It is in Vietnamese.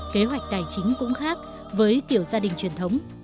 kế hoạch tài chính cũng khác với kiểu gia đình truyền thống